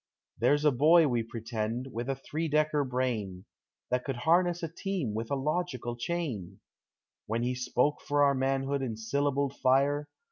There's a boy, we pretend, with a three decker brain. That could harness a team with a logical chain; When he spoke for our manhood in syllabled fire.